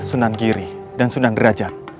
sunan giri dan sunan derajat